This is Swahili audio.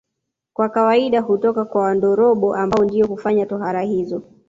Kwa kawaida hutoka kwa Wandorobo ambao ndio hufanya tohara hizo